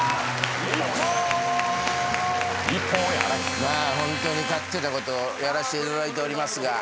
まあホントに勝手なことやらせていただいておりますが。